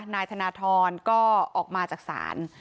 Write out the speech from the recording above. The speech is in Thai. นายธนทรก็ออกมาจากศาล